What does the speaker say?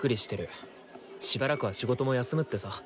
しばらくは仕事も休むってさ。